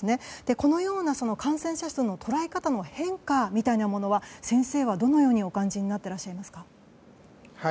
このような感染者数の捉え方の変化みたいなものは先生は、どのようにお感じになっていらっしゃいますか？